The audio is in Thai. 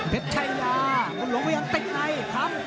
เผ็ดไชยาบุญหลงก็ยังเต็กในครับ